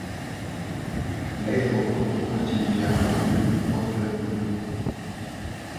L'aéroport de Poitiers-Biard est le plus proche de la commune.